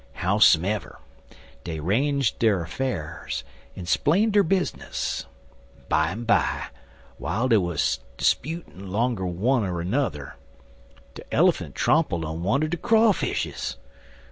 Howsomever, dey 'ranged der 'fairs, en splained der bizness. Bimeby, w'ile dey wuz 'sputin' 'longer one er nudder, de Elephant trompled on one er de Crawfishes.